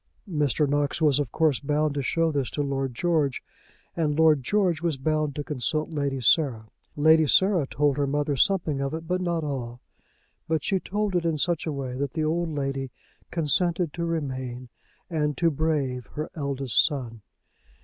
Mr. Knox was of course bound to show this to Lord George, and Lord George was bound to consult Lady Sarah. Lady Sarah told her mother something of it, but not all; but she told it in such a way that the old lady consented to remain and to brave her eldest son.